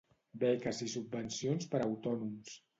Beques i subvencions per a autònoms.